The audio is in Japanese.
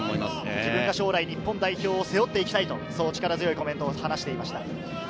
自分が将来、日本代表を背負っていきたいと、力強いコメントを話していました。